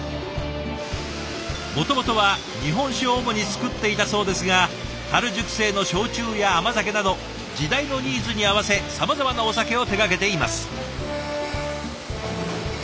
もともとは日本酒を主に作っていたそうですがたる熟成の焼酎や甘酒など時代のニーズに合わせさまざまなお酒を手がけています。